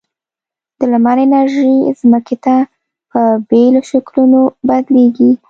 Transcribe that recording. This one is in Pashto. د لمر انرژي ځمکې ته په بېلو شکلونو بدلیږي.